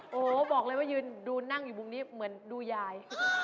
โอ้โหบอกเลยว่ายืนดูนั่งอยู่มุมนี้เหมือนดูยาย